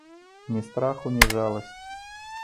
Ні страху, ні жаласці.